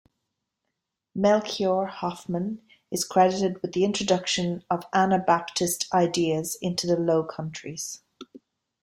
Melchior Hoffman is credited with the introduction of Anabaptist ideas into the Low Countries.